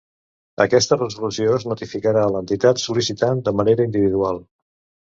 Aquesta resolució es notificarà a l'entitat sol·licitant de manera individual.